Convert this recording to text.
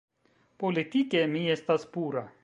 Politike mi estas pura.